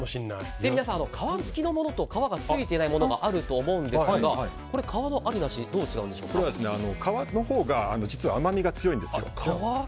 皮付きのものと皮がついてないものがあると思うんですが皮のあり、なし皮のほうが実は甘味が強いんですよ。